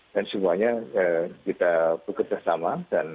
dan semuanya kita bekerja sama